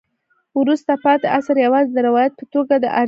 وروسته پاتې عصر یوازې د روایت په توګه د ارزښت دی.